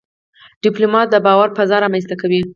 ډيپلومات د باور فضا رامنځته کوي.